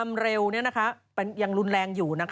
มันยังรุนแรงอยู่